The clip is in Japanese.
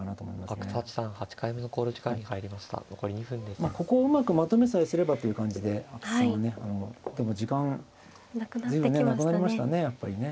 まあここをうまくまとめさえすればという感じで阿久津さんはねあのでも時間随分ねなくなりましたねやっぱりね。